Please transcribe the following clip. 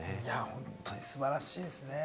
本当に素晴らしいですね。